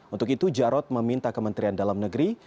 untuk itu jarod meminta kementerian dalam negeri